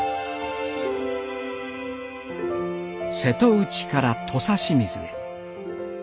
瀬戸内から土佐清水へ。